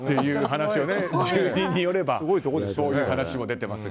住人によればそういう話も出ていますが。